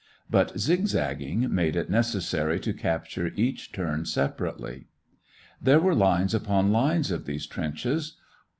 But zig zagging made it necessary to capture each turn separately. There were lines upon lines of these trenches.